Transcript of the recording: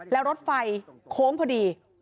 แล้วรถไฟโค้งพอดี